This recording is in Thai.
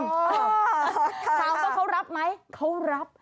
ถามว่าเขารับไหมเขารับ